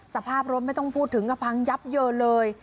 สภาพรถไม่ต้องพูดถึงก็พังยับเยินเลย